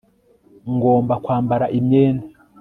ngomba kwambara imyenda